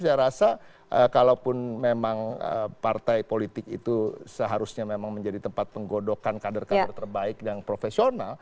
saya rasa kalaupun memang partai politik itu seharusnya memang menjadi tempat penggodokan kader kader terbaik yang profesional